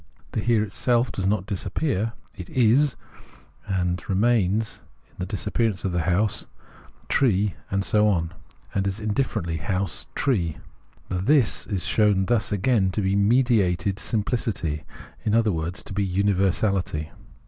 The Here itself does not disappear ; it is and remains in the disappearance of the house, tree, and so on, and is indifferently house, tree. The This is shown thus again to be mediated simflicity, in other words, to be universality.